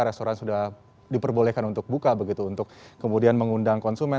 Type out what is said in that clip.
restoran sudah diperbolehkan untuk buka begitu untuk kemudian mengundang konsumen